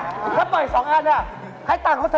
ถ้าเปิดอีก๒อันให้ต่างเขาเถอะ